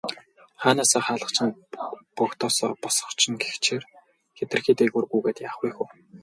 Хаанаасаа хаалгач нь, богдоосоо бошгоч нь гэгчээр хэтэрхий дээгүүр гүйгээд яах вэ хөө.